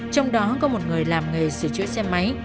trong đó có một người làm nghề sửa chữa xe máy